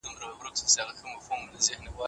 که ګډ کار وسي، زده کوونکی نه منزوي کېږي.